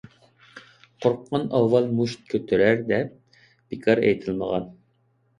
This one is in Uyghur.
«قورققان ئاۋۋال مۇشت كۆتۈرەر» دەپ بىكار ئېيتىلمىغان.